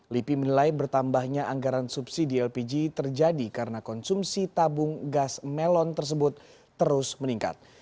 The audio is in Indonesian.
lipi menilai bertambahnya anggaran subsidi lpg terjadi karena konsumsi tabung gas melon tersebut terus meningkat